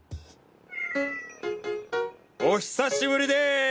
お久しぶりです！